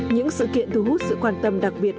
những sự kiện thu hút sự quan tâm đặc biệt